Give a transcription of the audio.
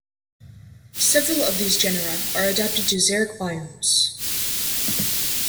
Several of these genera are adapted to xeric biomes.